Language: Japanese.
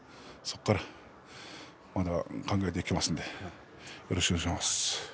そこからまた考えていきますのでよろしくお願いします。